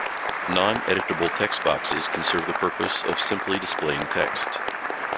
Non-editable text boxes can serve the purpose of simply displaying text.